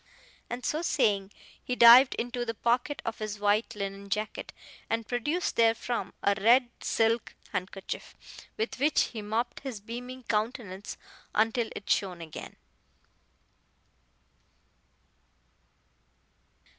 And so saying, he dived into the pocket of his white linen jacket, and produced therefrom a red silk handkerchief, with which he mopped his beaming countenance until it shone again.